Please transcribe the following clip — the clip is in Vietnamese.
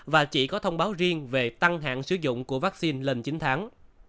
và chỉ có thông báo riêng về tăng hạn sử dụng của vaccine lên chín tháng